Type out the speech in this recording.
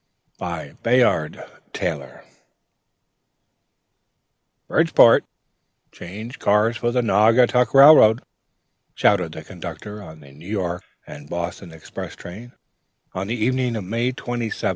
BY BAYARD TAYLOR "Bridgeport! Change cars for the Naugatuck Railroad!" shouted the conductor of the New York and Boston Express Train, on the evening of May 27, 1858....